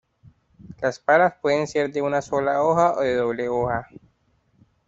Las palas pueden ser de una sola hoja o de doble hoja.